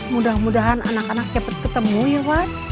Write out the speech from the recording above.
mudah mudahan anak anak cepet ketemu ya wad